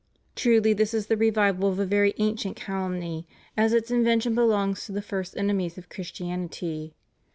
Truly this is the revival of a very ancient calumny, as its invention belongs to the first enemies of Christianity.